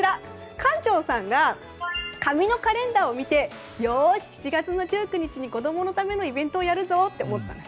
館長さんが紙のカレンダーを見てよし、７月１９日に子供のためのイベントをやろうと思ったんです。